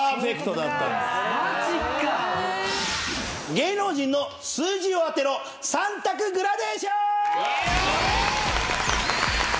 芸能人の数字を当てろ３択グラデーション！